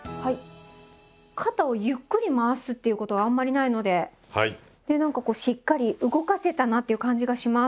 肩をゆっくり回すっていうことがあんまりないので何かこうしっかり動かせたなという感じがします。